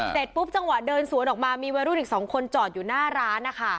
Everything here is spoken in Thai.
เสร็จปุ๊บจังหวะเดินสวนออกมามีวัยรุ่นอีก๒คนจอดอยู่หน้าร้านนะคะ